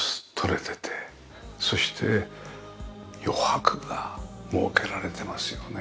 そして余白が設けられてますよね。